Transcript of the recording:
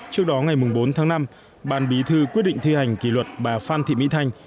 trước đó ngày bốn tháng năm ban bí thư quyết định thi hành kỷ luật bà phan thị mỹ thanh